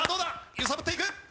揺さぶっていく。